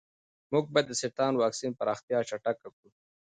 موږ باید د سرطان واکسین پراختیا چټکه کړو.